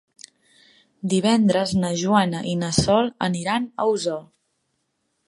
Divendres na Joana i na Sol aniran a Osor.